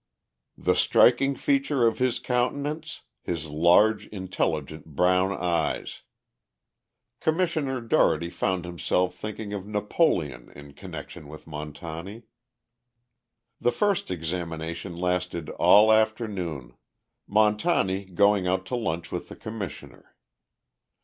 The striking feature of his countenance, his large, intelligent brown eyes. Commissioner Dougherty found himself thinking of Napoleon in connection with Montani. The first examination lasted all afternoon, Montani going out to lunch with the Commissioner.